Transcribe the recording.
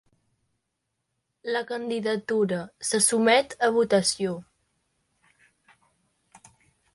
La candidatura se sotmet a votació.